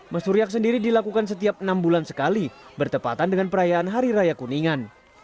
mesuriak sendiri dilakukan setiap enam bulan sekali bertepatan dengan perayaan hari raya kuningan